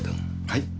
はい？